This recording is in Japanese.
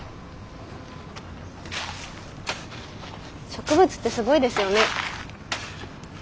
植物ってすごいですよね。